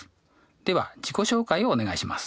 では自己紹介をお願いします。